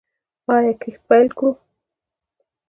آیا کښت پیل کړو؟